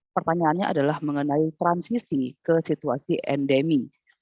pertanyaannya adalah mengenai transisi ke situasi endemi